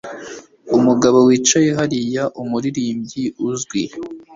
Umugabo wicaye hariya umuririmbyi uzwi.